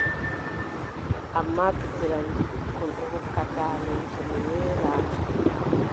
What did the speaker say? Ammaa pijiraandi ɓikkon o hokkata mi to mi weelaama.